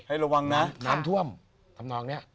ระวังนะน้ำท่วมทำนองนี้